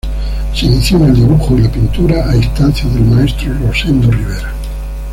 Se inició en el dibujo y la pintura a instancias del maestro Rosendo Rivera.